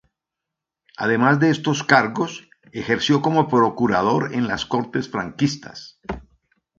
Además de estos cargos, ejerció como procurador en las Cortes franquistas.